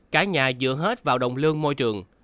cả nhà dựa hết vào đồng lương môi trường